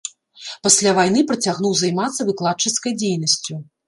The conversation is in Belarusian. Пасля вайны працягнуў займацца выкладчыцкай дзейнасцю.